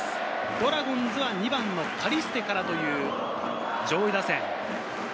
ドラゴンズは２番・カリステからという上位打線。